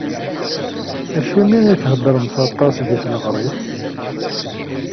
Acimi i theddremt aṭas di tneɣrit?